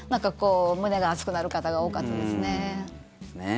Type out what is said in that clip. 胸が熱くなる方が多かったですね。